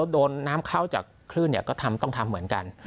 โดนน้ำเข้าจากคลื่นก็ต้องทำเหมือนกัน